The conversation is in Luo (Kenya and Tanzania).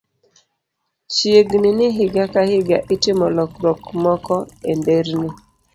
Chiegni ni higa ka higa, itimo lokruok moko e nderni